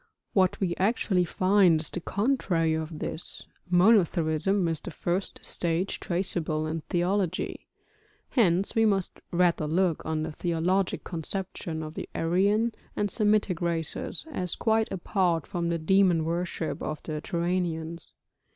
What we actually find is the contrary of this, monotheism is the first stage traceable in theology. Hence we must rather look on the theologic conception of the Aryan and Semitic races as quite apart from the demon worship of the Turanians.